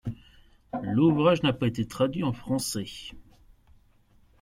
L'ouvrage n'a pas été traduit en français.